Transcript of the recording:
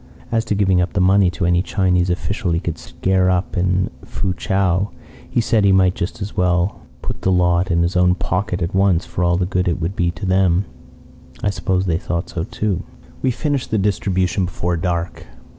As to giving up the money to any Chinese official he could scare up in Fu chau, he said he might just as well put the lot in his own pocket at once for all the good it would be to them. I suppose they thought so, too. "We finished the distribution before dark.